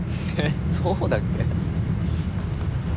そうだっけ？